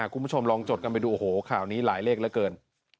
คุณผู้ชมลองจดกันไปดูโอ้โหข่าวนี้หลายเลขเหลือเกิน